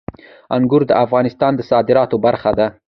انګور د افغانستان د صادراتو برخه ده.